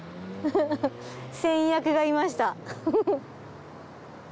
先約がいました。